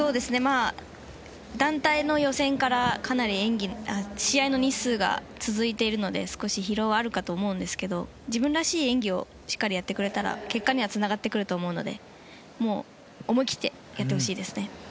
団体の予選からかなり試合の日数が続いているので少し疲労はあるかと思うんですが自分らしい演技をしっかりやってくれたら結果にはつながってくると思うので思い切ってやってほしいですね。